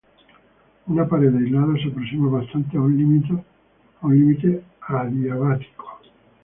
Una pared aislada se aproxima bastante a un límite adiabático.